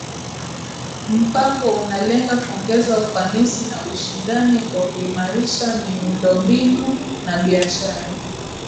Mpango unalenga kuongeza ufanisi na ushindani kwa kuimarisha miundombinu na biashara